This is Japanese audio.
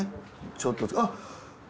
ちょっとあっ。